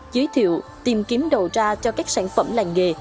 giới thiệu tìm kiếm đầu ra cho các sản phẩm làng nghề